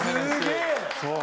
すげえ！